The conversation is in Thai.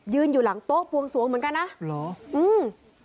อยู่หลังโต๊ะบวงสวงเหมือนกันนะเหรออืม